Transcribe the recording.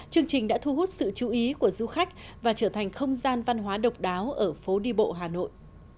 chương trình đã thu hút sự chú ý của du khách và trở thành không gian văn hóa độc đáo ở phố đi bộ hà nội